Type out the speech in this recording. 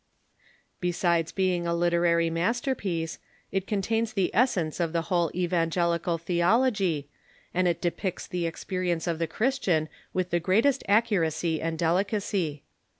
Besides being a liter ary masterpiece, it contains the essence of the whole evangeli 372 THE MODEllN CHURCH cal theolog}^, and it depicts the experience of tlie Christian with the greatest accuracy and delicacy.